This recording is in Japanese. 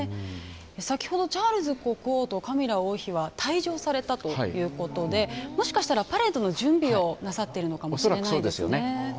先ほど、チャールズ国王とカミラ王妃は退場されたということでもしかしたらパレードの準備をなさっているのかもしれないですね。